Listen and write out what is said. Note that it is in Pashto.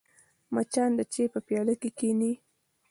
مچان د چای په پیاله کښېني